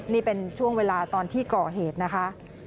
นี่เป็นช่วงเวลาตอนที่ก่อเหตุนะคะ